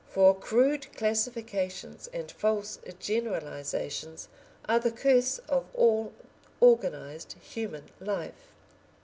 For crude classifications and false generalisations are the curse of all organised human life.